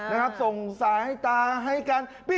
นะครับส่งสายตาให้กัน